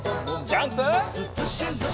ジャンプ！